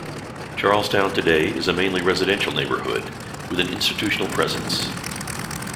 Charlestown today is a mainly residential neighborhood with an institutional presence.